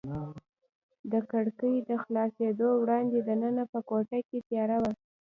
د کړکۍ تر خلاصېدو وړاندې دننه په کوټه کې تیاره وه.